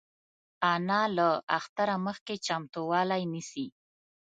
انا له اختره مخکې چمتووالی نیسي